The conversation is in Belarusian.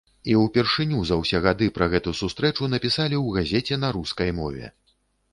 І ўпершыню за ўсе гады пра гэту сустрэчу напісалі ў газеце на рускай мове.